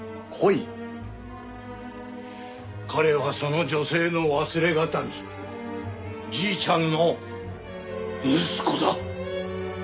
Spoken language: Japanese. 彼はその女性の忘れ形見じいちゃんの息子だ。